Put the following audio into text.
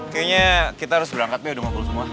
kayaknya kita harus berangkat nih udah ngumpul semua